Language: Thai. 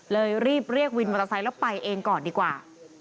รีบเรียกวินมอเตอร์ไซค์แล้วไปเองก่อนดีกว่า